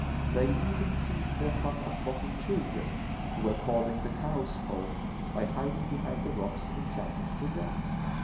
They even ceased their fun of mocking children, who were calling the cows home, by hiding behind the rocks and shouting to them.